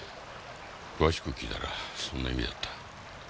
詳しく聞いたらそんな意味だった。